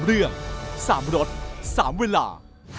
เรื่อง๓รถ๓เวลา